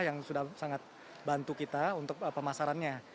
mas yofi yang sudah sangat bantu kita untuk pemasarannya